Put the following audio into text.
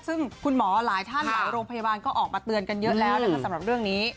ซึ่งคุณหมอหลายท่านหลายโรงพยาบาลก็ออกมาเตือนกันเยอะแล้วนะคะสำหรับเรื่องนี้